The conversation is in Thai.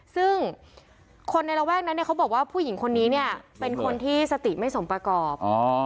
ซึ่งคนในระแวกนั้นเนี่ยเขาบอกว่าผู้หญิงคนนี้เนี่ยเป็นคนที่สติไม่สมประกอบ